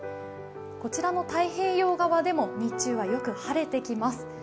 こちらも太平洋側では日中はよく晴れてきます。